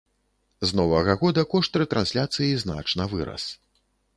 З новага года кошт рэтрансляцыі значна вырас.